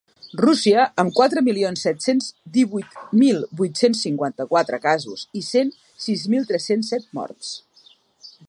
Rússia, amb quatre milions set-cents divuit mil vuit-cents cinquanta-quatre casos i cent sis mil tres-cents set morts.